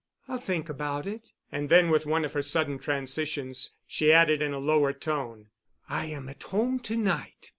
"I'll think about it." And then with one of her sudden transitions, she added in a lower tone, "I am at home to night.